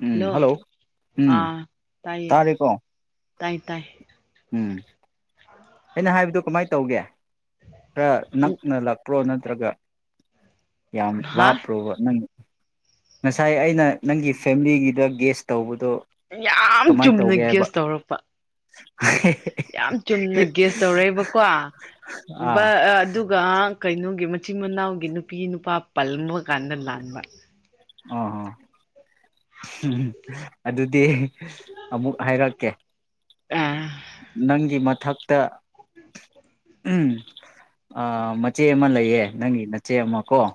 ꯎꯝ hello ꯎꯝ ꯑꯥ ꯇꯥꯏꯌꯦ ꯇꯥꯔꯦꯀꯣ ꯇꯥꯏ ꯇꯥꯏ ꯎꯝ ꯑꯩꯅ ꯍꯥꯏꯕꯗꯣ ꯀꯃꯥꯏ ꯇꯧꯒꯦ ꯈꯔ ꯅꯛꯅ ꯂꯥꯛꯄ꯭ꯔꯣ ꯅꯠ ꯇ꯭ꯔꯥꯒ ꯌꯥꯝ ꯍꯥ ꯂꯥꯞꯄ꯭ꯔꯣꯕ ꯅꯪ ꯉꯁꯥꯏ ꯑꯩꯅ ꯅꯪꯒꯤ ꯐꯦꯝꯂꯤꯒꯤꯗ ꯒꯦꯁ ꯇꯧꯕ ꯌꯥꯝ ꯆꯨꯝꯅ ꯒꯦꯁ ꯇꯧꯔꯛꯄ ꯌꯥꯝ ꯆꯨꯝꯅ ꯒꯦꯁ ꯇꯧꯔꯛꯑꯦꯕꯀꯣ ꯕꯥ ꯑꯥ ꯑꯗꯨꯒ ꯀꯩꯅꯣꯒꯤ ꯃꯆꯤꯟ ꯃꯅꯥꯎꯒꯤ ꯅꯨꯄꯤ ꯅꯨꯄꯥ ꯄꯜꯕ ꯀꯥꯟꯗ ꯂꯥꯟꯕ ꯑꯥ-ꯑꯥ [unintelligible] ꯑꯗꯨꯗꯤ ꯑꯃꯨꯛ ꯍꯥꯏꯔꯛꯀꯦ ꯑ ꯅꯪꯒꯤ ꯃꯥ ꯊꯛꯇ ꯎꯝ ꯑꯥ ꯃꯆꯦ ꯑꯃ ꯂꯩꯌꯦ ꯅꯪꯒꯤ ꯅꯆꯦ ꯑꯃꯥꯀꯣ ꯎ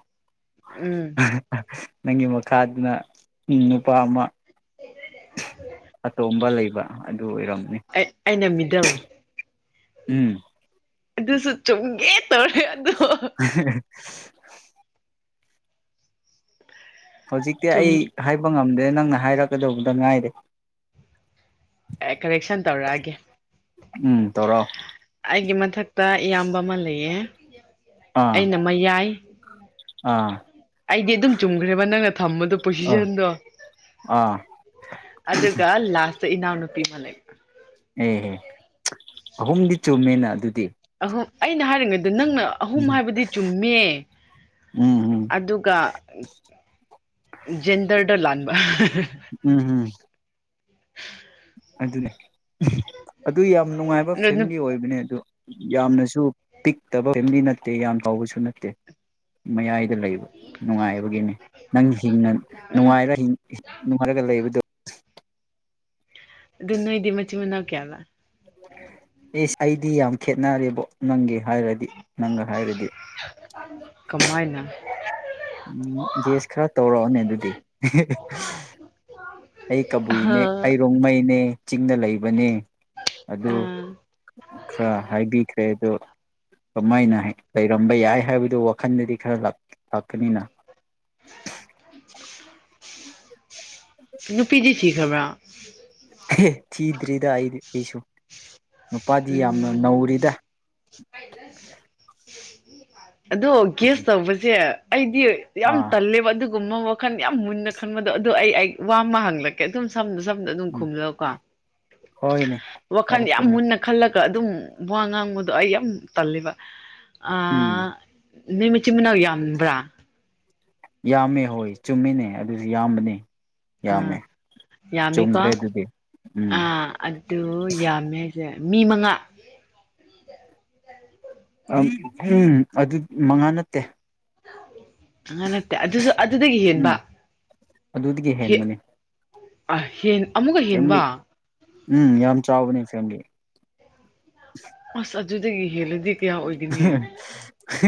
ꯎꯝ [unintelligible] ꯍ ꯅꯪꯒꯤ ꯃꯈꯥꯗꯨꯅ ꯅꯨꯄꯥ ꯑꯃ [inaudible] ꯑꯩꯅꯃꯤꯅꯤ ꯗ ꯎꯝ ꯑꯗꯨꯁꯨ ꯆꯦ [inaudible] [inaudible] ꯍꯧꯖꯤꯛꯇꯤ ꯆꯨꯝ ꯑꯩ ꯍꯥꯏꯕ ꯉꯝ ꯈꯗꯦ ꯅꯪꯅ ꯍꯥꯏꯔꯛꯀꯗꯧꯕꯗ ꯉꯥꯏꯔꯦ ꯑꯦ ꯀꯔꯦꯛꯁꯟ ꯇꯧꯔꯛꯑꯒꯦ ꯎꯝ ꯇꯧꯔꯛꯑꯣ ꯑꯩꯒꯤ ꯃꯊꯛꯇ ꯏꯌꯥꯝꯕ ꯑꯃ ꯂꯩꯌꯦ [unintelligible] ꯑꯩꯅ ꯃꯌꯥꯏ ꯑ ꯑꯩꯗꯤ ꯑꯗꯨꯝ ꯆꯨꯝꯈ꯭ꯔꯦꯕ ꯅꯪꯅ ꯊꯝꯕꯗꯣ ꯑꯥ ꯄꯣꯁꯤꯁꯟꯗꯣ ꯑꯥ ꯑꯗꯨꯒ ꯂꯥꯁꯇ ꯏꯅꯥꯎ [unintelligible] ꯑꯍꯨꯝꯗꯤ ꯆꯨꯝꯃꯦꯅ ꯑꯗꯨꯗꯤ ꯎꯝ ꯑꯩꯅ ꯍꯥꯏꯔꯤꯉꯩ ꯅꯪꯅ ꯑꯍꯨꯝ ꯎꯝ ꯍꯥꯏꯕꯗꯤ ꯆꯨꯝꯃꯦ ꯎꯝ ꯎꯝ ꯑꯗꯨꯒ ꯖꯦꯟꯗꯔꯗ ꯂꯥꯟꯕ ꯎꯝ ꯑꯗꯨꯅꯦ ꯑꯗꯨ ꯌꯥꯝ ꯅꯨꯡꯉꯥꯏꯕ ꯑꯗꯨ ꯐꯦꯃꯤꯂꯤ ꯑꯣꯏꯕꯅꯦ ꯑꯗꯨ ꯌꯥꯝꯅꯁꯨ ꯄꯤꯛꯇꯕ ꯐꯦꯃꯤꯂꯤ ꯅꯠꯇꯦ ꯌꯥꯝ ꯆꯥꯎꯥꯎꯕꯁꯨ ꯅꯠꯇꯦ ꯃꯌꯥꯏꯗ ꯂꯩꯕ ꯅꯨꯡꯉꯥꯏꯕꯒꯤꯅꯤ ꯅꯪ ꯍꯤꯡ ꯎꯝ ꯅꯨꯡꯉꯥꯏꯔ ꯅꯨꯡꯉꯥꯏꯔꯒ ꯂꯩꯕꯗꯨꯣ ꯑꯗꯨ ꯅꯣ ꯏꯗꯤ ꯃꯆꯤ ꯃꯅꯧ ꯀꯦꯌꯥꯂ ꯑꯦ ꯑꯩꯗꯤ ꯌꯥꯝ ꯈꯦꯠꯅꯔꯦꯕꯣ ꯅꯪꯒꯤ ꯍꯥꯏꯔꯗꯤ ꯅꯪꯒ ꯍꯥꯏꯔꯗꯤ ꯀꯃꯥꯏꯅ ꯎꯝ ꯒꯦꯁ ꯈꯔ ꯇꯧꯔꯛꯑꯣꯅꯦ ꯑꯗꯨꯗꯤ ꯑꯩ ꯀꯕꯨꯏꯅꯦ ꯑꯩ ꯑꯥ ꯔꯣꯡꯃꯩꯅꯦ ꯆꯤꯡꯗ ꯂꯩꯕꯅꯦ ꯑꯗꯨ ꯈꯔ ꯍꯥꯏꯕꯤꯈ꯭ꯔꯦ ꯍ ꯀꯃꯥꯏꯅ ꯍꯥꯏꯩ ꯔꯝꯕ ꯌꯥꯏ ꯍꯥꯏꯕꯗꯨ ꯋꯥꯈꯟꯗꯗꯤ ꯈꯔ ꯀꯕꯤꯅꯥ ꯅꯨꯄꯤꯗꯤ ꯁꯤ ꯈꯕꯔꯥ ꯊꯤꯗꯔꯤꯗꯁꯨ ꯅꯨꯄꯥꯗꯤ ꯌꯥꯝꯅ ꯎꯝ ꯅꯧꯔꯤꯗ ꯑꯗꯣ ꯒꯦꯁ ꯇꯧꯕꯁꯦ ꯑꯩꯗꯤ ꯌꯥꯝ ꯑꯥ ꯇꯜꯂꯦꯕ ꯑꯗꯨꯒꯨꯝꯕ ꯋꯥꯈꯟ ꯌꯥꯝ ꯃꯨꯟꯅ ꯈꯟꯕꯗꯣ ꯑꯗꯨꯗꯣ ꯑꯩ ꯋꯥ ꯑꯃ ꯍꯪꯂꯛꯀꯦ ꯑꯗꯨꯝ ꯁꯝꯅ ꯁꯝꯅ ꯑꯗꯨꯝ ꯎꯝ ꯈꯨꯝꯂꯀꯣ ꯍꯣꯏꯅꯦ ꯋꯥꯈꯜ ꯌꯥꯝ ꯍꯥꯏꯔꯛꯀꯦꯅꯦ ꯃꯨꯟꯅ ꯑꯗꯨꯝ ꯋꯥ ꯉꯥꯡꯕꯗꯣ ꯑꯩ ꯌꯥꯝ ꯇꯜꯂꯦꯕ ꯎꯝ ꯑꯥ ꯅꯣꯏ ꯃꯆꯤꯟ ꯃꯅꯥꯎ ꯌꯥꯝꯕ꯭ꯔꯥ ꯌꯥꯝꯃꯦ ꯍꯣꯏ ꯆꯨꯝꯃꯤꯅꯦ ꯑꯗꯨꯁꯨ ꯌꯥꯝꯕꯅꯦ ꯎꯝ ꯌꯥꯝꯃꯦ ꯌꯥꯝꯃꯤꯀꯣ ꯆꯨꯝꯈ꯭ꯔꯦ ꯑꯗꯨꯗꯤ ꯎꯝ ꯑ ꯑꯗꯨ ꯌꯥꯝꯃꯦ ꯃꯤ ꯃꯉꯥ ꯎꯝ ꯑꯗꯨ ꯃꯉꯥ ꯅꯠꯇꯦ ꯑꯅꯠꯇꯦ ꯑꯗꯨꯁꯨ ꯑꯗꯨꯗꯒꯤ ꯍꯦꯟꯕ ꯎꯝ ꯑꯗꯨꯗꯒꯤ ꯍ ꯍꯦꯟꯕꯅꯦ ꯑ ꯍꯦ ꯑꯃꯨꯛꯀ ꯐꯦꯃꯤꯂꯤ ꯍꯦꯟꯕ ꯎꯝ ꯌꯥꯝ ꯆꯥꯎꯕꯅꯦ ꯐꯦꯂꯤ ꯑꯁ ꯑꯗꯨꯗꯗꯒꯤ ꯍ‌ꯦꯜꯂꯗꯤ ꯎꯝ [unintelligible]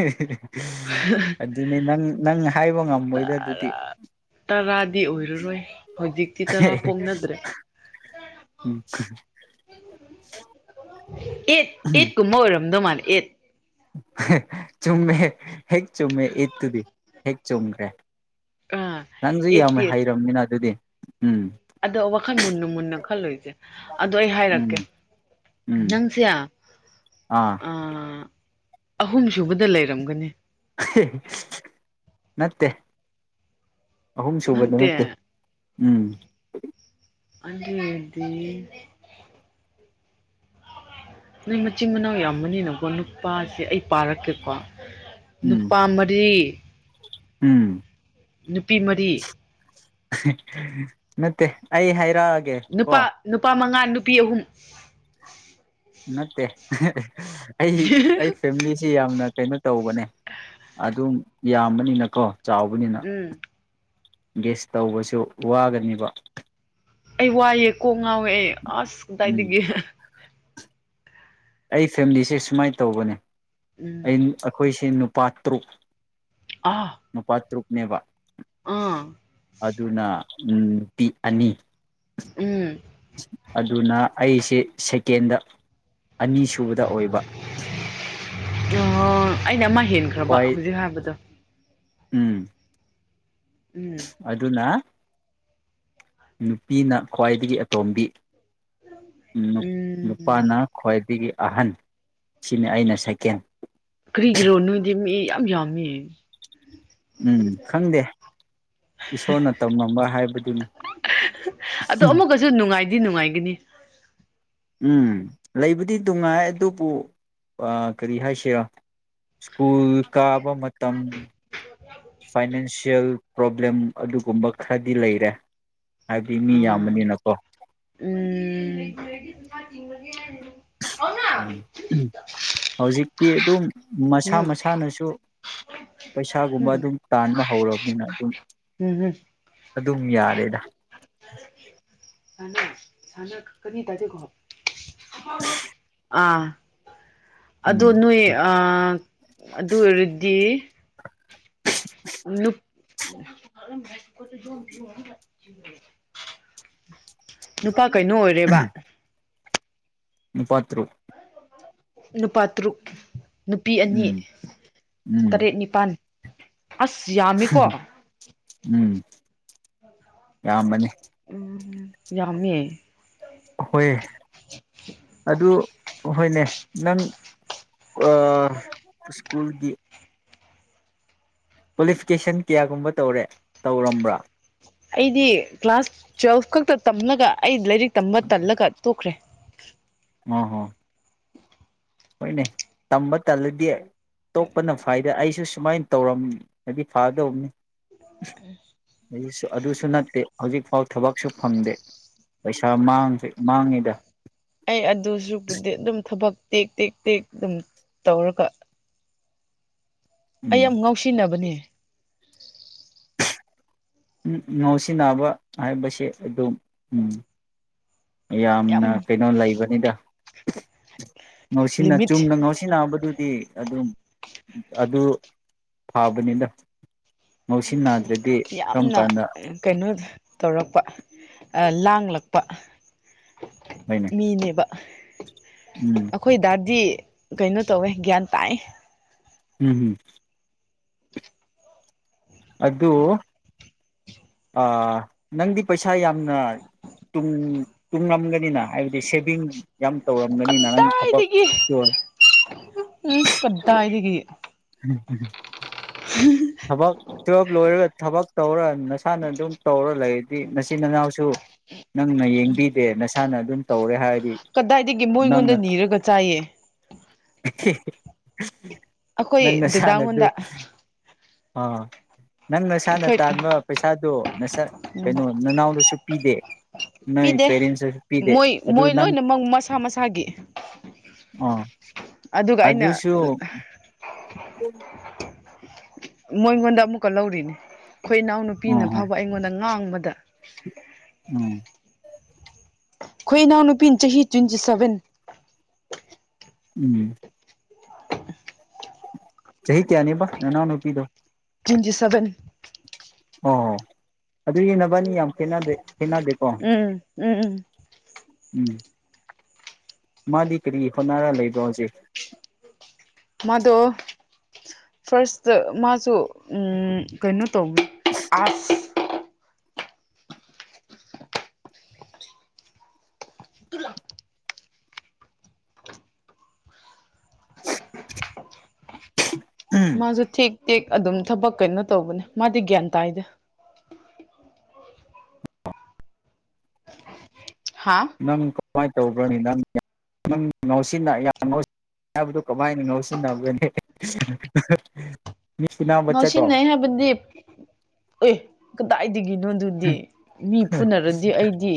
ꯍꯥꯏꯕ ꯉꯝꯃꯣꯏꯗ ꯑꯗꯨꯗꯤ ꯇꯔꯥ ꯇꯔꯥꯗꯤ ꯑꯣꯏꯔꯔꯣꯏ ꯍꯧꯖꯤꯛꯇꯤ ꯇꯔꯥ ꯄꯣꯛꯅꯗ꯭ꯔꯦ ꯎꯝ ꯑꯦꯠ ꯑꯦꯠ ꯀꯨꯝꯕ ꯑꯣꯏꯔꯝꯗꯧ ꯃꯥꯜꯂꯦ ꯑꯦꯠ ꯆꯨꯝꯃꯦ ꯍꯦ ꯍ‌ꯦꯛ ꯑꯦꯠꯇꯨꯗꯤ ꯑꯦꯠ ꯆꯨꯝꯒꯔ‌ꯦ ꯑꯥ ꯅꯪꯁꯨ ꯌꯥꯝꯃꯦ ꯑꯦꯠꯇꯤ ꯑꯦꯠ ꯍꯩꯔꯃ‌ꯦꯅꯥ ꯑꯗꯨꯗꯤ ꯎꯝ ꯑꯗꯣ ꯋꯥꯈꯜ ꯃꯨꯟꯅ ꯃꯨꯟꯅ ꯈꯜꯂꯣꯏꯁꯦ ꯑꯗꯣ ꯑꯩ ꯎꯝ ꯍꯥꯏꯔꯛꯀꯦ ꯎꯝ ꯅꯪꯁꯦ ꯑ ꯑꯥ ꯑꯍꯨꯝ ꯁꯨꯕꯗ ꯂꯩꯔꯝꯒꯅꯤ꯫ ꯅꯠꯇꯦ ꯑꯍꯨꯝ ꯁꯨꯕꯗ ꯅꯠꯇꯦ ꯎꯝ ꯑꯣꯏꯗꯤ ꯅꯣꯏ ꯃꯆꯤꯟ ꯃꯅꯥꯎ ꯌꯥꯝꯕꯅꯤꯅꯀꯣ ꯅꯨꯄꯥꯁꯦ ꯑꯩ ꯄꯥꯔꯛꯀꯦꯀꯣ ꯎꯝ ꯅꯨꯄꯥ ꯃꯔꯤ ꯎꯝ ꯅꯨꯄꯤ ꯃꯔꯤ ꯅꯠꯇꯦ ꯑꯩ ꯍꯥꯏ ꯅꯨꯄꯥ ꯅꯨꯄꯥ ꯃꯉꯥ ꯅꯨ ꯄꯤ ꯑꯍꯨꯝ ꯅꯠꯇ‌ꯦ ꯑꯩ ꯑꯩ ꯐꯦꯃꯤꯂꯤꯁꯤ ꯌꯥꯝꯅ ꯀꯩꯅꯣ ꯇꯧꯕꯅꯦ ꯑꯗꯨꯝ ꯌꯥꯝꯕꯅꯤꯅꯥꯀꯣ ꯆꯥꯎꯕꯅꯤꯅ ꯎꯝ ꯒꯦꯁ ꯇꯧꯕꯁꯨ ꯋꯥꯒꯅꯦꯕ ꯑꯩ ꯋꯥꯏꯑꯦꯀꯣ ꯉꯑꯣ ꯑꯁ ꯎꯝ ꯀꯗꯥꯏꯗꯒꯦ ꯑꯩ ꯐꯦꯃꯤꯂꯤꯁꯦ ꯁꯨꯃꯥꯏꯅ ꯇꯧꯕꯅꯦ ꯎꯝ ꯑꯩꯟ ꯑꯩꯈꯣꯏꯁꯦ ꯅꯨꯄꯥ ꯇꯔꯨꯛ ꯑꯥ ꯅꯨꯄꯥ ꯇꯔꯨꯛ ꯅꯦꯕ ꯑꯥ ꯑꯗꯨꯅ ꯎꯝ ꯅꯨꯄꯤ ꯑꯅꯤ ꯎꯝ ꯑꯗꯨꯅ ꯑꯩꯁꯦ ꯁꯦꯀꯦꯟꯗ ꯑꯅꯤꯁꯨꯨꯕꯗ ꯑꯣꯏꯕ ꯑꯣ ꯑꯩꯅ ꯃꯥ ꯍꯦꯟꯈ꯭ꯔꯕ ꯈ꯭ꯋꯥꯏ ꯍꯧꯖꯤꯛ ꯍꯥꯏꯕꯗꯣ ꯎꯝ ꯎꯝ ꯑꯗꯨꯅ ꯅꯨꯄꯤꯅ ꯈ꯭ꯋꯥꯏꯗꯒꯤ ꯑꯇꯣꯝꯕꯤ ꯎꯝ ꯅꯨꯄꯥꯅ ꯈ꯭ꯋꯥꯏꯗꯒꯤ ꯑꯍꯟ ꯁꯤꯅꯤ ꯑꯩꯅ ꯁꯦꯀꯦꯟ ꯀꯔꯤꯒꯤꯔꯣ ꯅꯣꯏꯗꯤ ꯃꯤ ꯌꯥꯝ ꯌꯥꯝꯃꯤ ꯎꯝ ꯈꯪꯗꯦ ꯏꯁꯣꯔꯅ ꯇꯝꯃꯝꯕ ꯍꯥꯏꯕꯗꯨꯅꯤ ꯎꯝ ꯑꯗꯨꯗꯤ ꯅꯨꯡꯉꯥꯏꯒꯅꯤ ꯎꯝ ꯂꯩꯕꯨꯗꯤ ꯅꯨꯡꯉꯥꯏ ꯑꯗꯨꯕꯨ ꯀꯔꯤ ꯍꯥꯏꯁꯤꯔꯣ ꯁ꯭ꯀꯨꯜ ꯀꯥꯕ ꯐꯥꯏꯅꯥꯟꯁꯤꯌꯦꯜ ꯄ꯭ꯔꯣꯕ꯭ꯂꯦꯝ ꯑꯗꯨꯒꯨꯝꯕ ꯈꯔꯗꯤ ꯂꯩꯔꯦ ꯍꯥꯏꯕꯗꯤ ꯃꯤ ꯑꯥ ꯌꯥꯝꯕꯅꯤꯅꯀꯣ ꯇꯒꯦ ꯍꯥꯏ ꯍꯧꯖꯤꯛꯇꯤ ꯑꯗꯨꯝ ꯃꯁꯥ ꯎꯝ ꯃꯁꯥꯅꯁꯨ ꯄꯩꯁꯥꯒꯨꯝꯕ ꯎꯝ ꯑꯗꯨꯝ ꯇꯥꯟꯕ ꯍꯧꯔꯕꯅꯤꯅ ꯑꯗꯨꯝ ꯎꯝ ꯎꯝ ꯑꯗꯨꯝ ꯌꯥꯔꯦ ꯁꯥꯟꯅꯛꯀꯅꯤ ꯇꯥꯗꯦꯀꯣ ꯑꯥ ꯑꯗꯣ ꯎꯝ ꯅꯣꯏ ꯑꯗꯨ ꯑꯣꯏꯔꯗꯤ ꯅꯨ ꯈꯣꯏꯁꯨꯖꯕꯤ ꯑ ꯑꯄꯥ ꯀꯩꯅꯣ ꯑꯣꯏꯔꯦꯕ ꯃꯄꯥꯇꯔꯨꯛ ꯅꯨꯄꯥꯌꯥ ꯅꯨꯄꯤ ꯑꯅꯤ ꯎꯝ ꯎꯝ ꯇꯔꯦꯠ ꯅꯤꯄꯥꯜ ꯑꯁ ꯌꯥꯝꯃꯤꯀꯣ ꯎꯝ ꯌꯥꯝꯝꯕꯅꯤ ꯌꯥꯝꯝꯃꯦ ꯍꯣꯏ ꯑꯗꯨ ꯍꯣꯏꯅꯦ ꯅꯪ ꯁ꯭ꯀꯨꯜꯒꯤ ꯀ꯭ꯋꯥꯂꯤꯐꯤꯀꯦꯁꯟ ꯀꯌꯥꯒꯨꯝꯕ ꯇꯧꯔꯦ ꯇꯧꯔꯝꯕ꯭ꯔꯥ ꯑꯩꯗꯤ ꯀ꯭ꯂꯥꯁ ꯇ꯭ꯋꯦꯜꯐ ꯈꯛꯇ ꯇꯝꯂꯒ ꯑꯩ ꯂꯥꯏꯔꯤꯛ ꯇꯝꯃ ꯇꯜꯂꯒ ꯇꯣꯛꯈ꯭ꯔꯦ ꯍ ꯍꯣ ꯍꯣꯏꯅꯦ ꯇꯝꯕ ꯇꯜꯂꯗꯤ ꯇꯣꯛꯄꯅ ꯐꯥꯏꯗꯦ ꯑꯩꯁꯨ ꯁꯨ ꯁꯨꯃꯥꯏꯅ ꯇꯧꯔꯝꯗꯤ ꯐꯗꯧꯕꯅꯤ ꯑꯩꯁ ꯑꯗꯨꯁꯨ ꯅꯠꯇꯦ ꯍꯧꯖꯤꯛꯐꯥꯎ ꯊꯕꯛꯁꯨ ꯐꯪꯗꯦ ꯄꯩꯁꯥ ꯃꯥꯡꯁꯦ ꯑꯩ ꯑꯗꯨꯁꯨꯕꯨꯗꯤ ꯑꯗꯨꯝ ꯊꯕꯛ ꯇꯦꯛ ꯇꯦꯛ ꯇꯦꯛ ꯑꯗꯨꯝ ꯇꯧꯔꯒ ꯑꯩ ꯎꯝ ꯌꯥꯝ ꯉꯥꯎꯁꯤꯟꯅꯕꯅꯦ ꯎꯝ ꯉꯥꯎꯁꯤꯟꯅꯕ ꯍꯥꯏꯕꯁꯦ ꯑꯗꯨꯝ ꯎꯝ ꯌꯥꯝ ꯌꯥꯝꯅ ꯀꯩꯅꯣ ꯂꯩꯕꯅꯤꯗ ꯉꯥꯎꯁꯤꯟꯅ ꯂꯤꯃꯤꯠ ꯆꯨꯝꯅ ꯉꯥꯎꯁꯤꯟꯅꯕꯗꯨꯗꯤ ꯑꯗꯨꯝ ꯑꯗꯨ ꯐꯥꯕꯅꯤꯗ ꯉꯧꯁꯤ ꯅꯥꯒ ꯌꯥꯝꯅ ꯀꯩꯅꯣ ꯇꯧꯔꯛꯄ ꯂꯥꯡꯂꯛꯄ ꯍꯣꯏꯅꯦ ꯃꯤꯅꯦꯕ ꯎꯝ [inaudible] ꯑꯩꯈꯣꯏ ꯗꯥꯗꯤ ꯀꯩꯅꯣ ꯇꯧꯋꯦ ꯒ꯭ꯌꯥꯟ ꯇꯥꯏ ꯎꯝ ꯍꯝ ꯑꯗꯨꯗꯨ ꯅꯪꯗꯤ ꯄꯩꯁꯥ ꯌꯥꯝꯅ ꯇꯨꯡꯉꯝꯒꯅꯤꯅ ꯍꯥꯏꯕꯗꯤ ꯁꯦꯚꯤꯡ ꯌꯥꯝ ꯇꯧꯔꯝ ꯑꯗꯥꯏꯗꯒꯤꯗꯒꯤ ꯎꯝ ꯑꯗꯥꯏꯗꯒꯤꯗꯒꯤ ꯎꯝ ꯊꯝ ꯊꯕꯛ ꯇꯨꯋꯦꯜꯞ ꯂꯣꯏꯔꯒ ꯊꯕꯛ ꯇꯧꯔ ꯅꯁꯥꯅ ꯑꯗꯨꯝ ꯇꯧꯔ ꯂꯩꯔꯗꯤ ꯅꯆꯤꯟ ꯅꯅꯥꯎꯁꯨ ꯅꯪꯅ ꯌꯦꯡꯕꯤꯗꯦ ꯅꯁꯥꯅ ꯑꯗꯨꯝ ꯇꯧꯔꯦ ꯍꯥꯏ ꯀꯗꯥꯏꯗꯒꯤ ꯃꯣꯏ ꯑꯩꯉꯣꯟꯗ ꯅꯤꯔꯒ ꯆꯥꯏꯌꯦ [unintelligible] ꯑꯩꯈꯣꯏ ꯅꯪ ꯅꯁꯥꯅ ꯑꯗꯨ ꯗꯥꯡꯉꯣꯟꯗ ꯑꯥ ꯅꯪ ꯅꯁꯥꯅ ꯇꯥꯟꯕ ꯄꯩꯁꯥꯗꯣ ꯅꯁꯥ ꯀꯩꯅꯣ ꯅꯅꯥꯎꯗꯁꯨ ꯄꯤꯗꯦ ꯅꯣꯏ ꯄꯤꯗꯦ ꯄꯦꯔꯦꯟꯁꯇꯁꯨ ꯄꯤꯗꯦ ꯃꯣꯏ ꯃꯣꯏ ꯑꯗꯨ ꯅꯪ ꯂꯣꯏꯅꯃꯛꯪ ꯃꯁꯥ ꯃꯁꯥꯒꯤ ꯑꯥ ꯑꯗꯨꯒ ꯑꯩꯅ ꯎꯝ ꯃꯣꯏꯉꯣꯟꯗ ꯑꯃꯨꯛꯀ ꯂꯧꯔꯤꯅꯦ. ꯑꯩꯈꯣꯏ ꯏꯅꯥꯎꯅꯨꯄꯤꯅ ꯑꯥ ꯐꯥꯎꯕ ꯑꯩꯉꯣꯟꯗ ꯉꯥꯡꯕꯗ [unintelligible] ꯎꯝ ꯑꯩꯈꯣꯏ ꯏꯅꯥꯎ ꯅꯨꯄꯤ ꯆꯍꯤ ꯇ꯭ꯋꯦꯟꯇꯤ ꯁꯚꯦꯟ ꯎꯝ ꯆꯍꯤ ꯀꯌꯥꯅꯤꯕ ꯅꯅꯧ ꯅꯨꯄꯤꯘꯣ ꯇ꯭ꯋꯦꯟꯇꯤ ꯁꯚꯦꯟ ꯑꯣ ꯑꯗꯨꯘꯤ ꯅꯕꯅꯤ ꯌꯥꯝ ꯈꯦꯠꯅꯗꯦ ꯈꯦꯠꯅꯘꯦꯀꯣ ꯎꯝ ꯎꯝ ꯎꯝ ꯎꯝ ꯃꯥꯗꯤ ꯀꯔꯤ ꯍꯣꯠꯅꯔ ꯂꯩꯕ꯭ꯔꯣ ꯍꯧꯖꯤꯛ ꯃꯥꯗꯣ ꯐꯥꯁꯇ ꯃꯥꯁꯨ ꯎꯝ ꯀꯩꯅꯣ ꯇ ꯑ [unintelligible] ꯃꯥꯁꯨ ꯊꯦꯛ ꯇꯦꯛ ꯑꯗꯨꯝ ꯊꯕꯛ ꯀꯩꯅꯣ ꯇꯧꯕꯅꯦ ꯃꯥꯗꯤ ꯒ꯭ꯌꯥꯟ ꯇꯥꯏꯗꯦ ꯍꯥ ꯅꯪ ꯀꯃꯥꯏ ꯇꯧꯕ꯭ꯔꯅꯤ ꯅꯪ ꯅꯪ ꯉꯁꯤ ꯉꯁꯤꯕꯗꯣ ꯀꯃꯥꯏꯅ ꯉꯥꯎꯁꯤꯟꯅꯕ꯭ꯔꯥꯅꯦ ꯃꯁꯤ ꯅ ꯍꯥꯏꯕꯗꯤꯞ ꯑꯦ ꯀꯗꯥꯏꯗꯤ ꯅꯣ ꯑꯗꯨꯗꯤ ꯃꯤ ꯐꯨꯅꯔꯗꯤ ꯑꯩꯗꯤ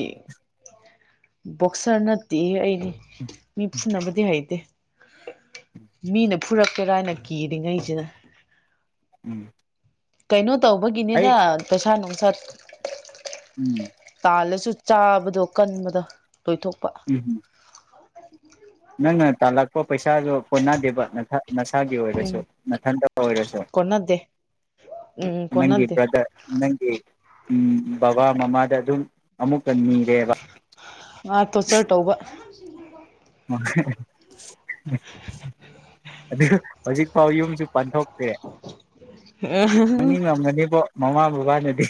ꯕꯣꯛꯁꯔ ꯅꯠꯇꯦ ꯑꯩ ꯃꯤ ꯐꯅꯕꯗꯤ ꯍꯩꯇꯦ ꯃꯤꯅ ꯐꯨꯔꯛꯀꯦꯔꯥ ꯍꯥꯏꯅ ꯀꯤꯔꯤꯉꯩꯁꯤꯗ ꯎꯝ ꯀꯩꯅꯣ ꯇꯧꯕꯒꯤꯅꯦꯗ ꯑꯩ ꯄꯩꯁꯥ ꯅꯨꯡ ꯁꯠ ꯎꯝ ꯆꯜꯂꯁꯨ ꯆꯥꯕꯗꯣ ꯀꯟꯕꯗ ꯂꯣꯏꯊꯣꯛꯄ ꯅꯥꯡꯅꯥ ꯇꯥꯜꯂꯛꯄ ꯄꯩꯁꯥꯁꯨ ꯀꯣꯟꯅꯗꯦꯕ ꯅꯁꯥꯒꯤ ꯎꯝ ꯑꯣꯏꯔꯁꯨ ꯅꯥꯊꯟꯗ ꯑꯣꯏꯔꯁꯨ ꯀꯣꯟꯅꯗꯦ ꯎꯝ ꯅꯪꯒꯤ ꯀꯣꯟꯅꯗꯦ ꯕ꯭ꯔꯗꯔ ꯅꯪꯒꯤ ꯎꯝ ꯕꯕꯥ ꯃꯃꯥꯗ ꯑꯗꯨꯝ ꯑꯃꯨꯛꯀ ꯅꯤꯔꯦꯕ [unintelligible] ꯇꯣꯔꯆꯔ ꯇꯧꯕ ꯑꯗꯨ ꯍꯧꯖꯤꯛ ꯐꯥꯎ ꯌꯨꯝꯁꯨ ꯄꯥꯟꯊꯣꯛꯇꯦ ꯎꯝ ꯃꯅꯤꯡ ꯂꯝꯒꯅꯤꯕꯣ ꯃꯃꯥ ꯕꯕꯥꯅꯗꯤ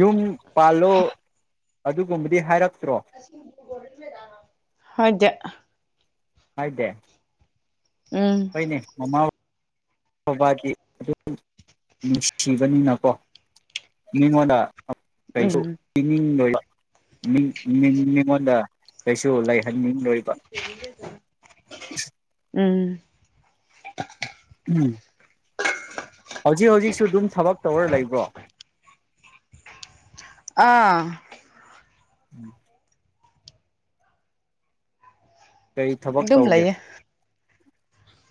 ꯌꯨꯝ ꯄꯥꯜꯂꯣ ꯑꯗꯨꯒꯨꯝꯕꯗꯤ ꯍꯥꯏꯔꯛ ꯍꯥꯏꯗꯦ ꯍꯥꯏꯗꯦ ꯎꯝ ꯍꯣꯏꯅꯦ ꯃꯃꯥ ꯕꯕꯥꯒꯤ [unintelligible] ꯅꯨꯡꯁꯤꯕꯅꯤꯅꯀꯣ ꯃꯤꯉꯣꯟꯗ ꯀꯩꯁꯨ ꯎꯝ ꯄꯤꯅꯤꯡ ꯂꯣꯏ ꯃꯤ ꯃꯤ ꯃꯤꯉꯣꯟꯗ ꯀꯩꯁꯨ ꯂꯩ ꯍꯟ ꯅꯤꯡ ꯂꯣꯏꯕ ꯎꯝ ꯎꯝ ꯍꯧꯖꯤꯛ ꯍꯧꯖꯤꯛꯁꯨ ꯑꯗꯨꯝ ꯊꯕꯛ ꯇꯧꯔ ꯂꯩꯕ꯭ꯔꯣ ꯑꯥ ꯎꯝ ꯀꯔꯤ ꯊꯕꯛ ꯑꯗꯨꯝ ꯇꯧꯒꯦ ꯂꯩꯌꯦ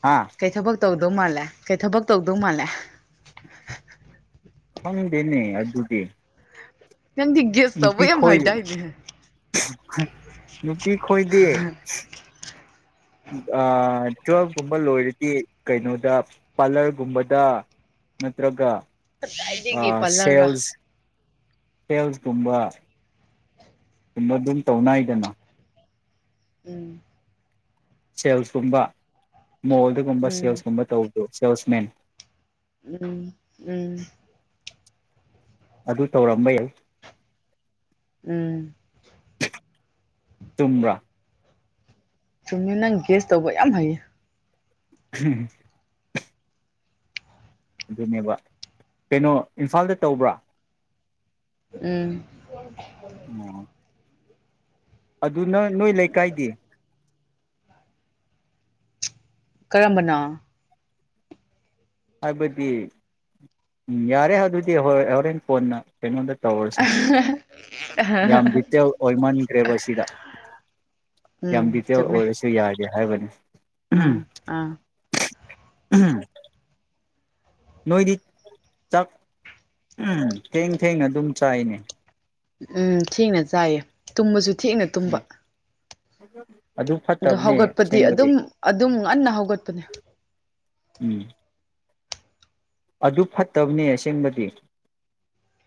ꯍꯥ ꯀꯩ ꯊꯕꯛ ꯇꯧ [inaudible] ꯃꯥꯜꯂꯦ ꯀꯩ ꯊꯕꯛ ꯇꯧꯗꯧ ꯃꯥꯜꯂꯦ ꯈꯪꯗꯦꯅꯦ ꯑꯗꯨꯗꯤ ꯅꯪ ꯗꯤ ꯒꯦꯁ ꯇꯧꯕ ꯌꯥꯝ ꯍꯩꯗꯥꯏꯅꯦ [unintelligible] ꯏ ꯈꯣꯏꯗꯤ ꯑꯥ ꯇ꯭ꯨꯋꯦꯜꯐꯀꯨꯝꯕ ꯂꯣꯏꯔꯗꯤ ꯀꯩꯅꯣꯗ ꯄꯥꯔꯂꯔꯒꯨꯝꯕꯗ ꯅꯠꯇ꯭ꯔꯒ ꯀꯗꯥꯏꯗꯒꯤ ꯑꯥ ꯄꯥꯔꯂꯔꯔꯥ ꯁꯦꯜꯁ ꯁꯦꯜꯁ ꯀꯨꯝꯕ ꯁꯨꯝꯕ ꯗꯨꯝ ꯇꯧꯅꯥꯏꯗꯅ ꯎꯝ ꯁꯦꯜꯁꯀꯨꯝꯕ ꯃꯣꯜꯗꯒꯨꯝꯕ ꯎꯝ ꯁꯦꯜꯁꯀꯨꯝꯕ ꯇꯧ ꯁꯦꯜꯁ ꯃꯦꯟ ꯎꯝ ꯎꯝ ꯑꯗꯨ ꯇꯧꯔꯝꯕ ꯌꯥꯏ ꯎꯝ ꯇꯨꯨꯝ꯭ꯔꯥ ꯆꯨꯝꯃꯦ ꯅꯪ ꯒ꯭ꯁ ꯇꯧꯕ ꯌꯥꯝ ꯍꯩꯌꯦ ꯎꯝ ꯑꯗꯨꯅꯦꯕ ꯀꯩꯅꯣ ꯏꯝꯐꯥꯜꯗ ꯇꯧꯕ꯭ꯔꯥ ꯎꯝ ꯑꯣ ꯑꯗꯨ ꯅ ꯅꯣꯏ ꯂꯩꯀꯥꯏꯗꯤ ꯀꯔꯝꯕꯅꯥ ꯍꯥꯏꯕꯗꯤ ꯌꯥꯔꯦ ꯑꯗꯨꯗꯤ ꯍꯣꯔꯦꯟ ꯐꯣꯟꯅ ꯀꯉꯣꯟꯗ ꯇꯧꯔꯁꯦ ꯌꯥꯝ ꯗꯤꯇꯦꯜ ꯑꯣꯏꯃꯟꯈ꯭ꯔꯦꯕ ꯁꯤꯗ ꯌꯥꯝ ꯎꯝ ꯗꯤꯇꯦꯜ ꯆꯨꯝꯃꯦ ꯑꯣꯏꯔꯁꯨ ꯌꯥꯔꯦ ꯍꯥꯏꯕꯅꯦ ꯑꯥ ꯑꯥ ꯎꯝ ꯅꯣꯏꯗꯤ ꯆꯥꯛ ꯎꯝ ꯊꯦꯡ ꯊꯦꯡꯅ ꯑꯗꯨꯝ ꯆꯥꯏꯅꯦ ꯎꯝ ꯊꯦꯡꯅ ꯆꯥꯏꯌꯦ ꯇꯨꯝꯕꯁꯨ ꯊꯦꯡꯅ ꯇꯨꯝꯕ ꯑꯗꯨꯣ ꯑꯗ ꯍꯧꯒꯠꯄꯗꯤ ꯑꯗꯨꯝ ꯑꯗꯨꯝ ꯉꯟꯅ ꯍꯧꯒꯠꯄꯅꯦ ꯎꯝ ꯑꯗꯨ ꯐꯠꯇꯕꯅꯤ ꯑꯁꯦꯡꯕꯗꯤ